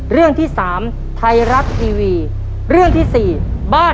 เรื่องจังหวัดราชบุรีครับ